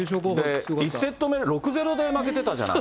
１セット目、６ー０で負けてたじゃない。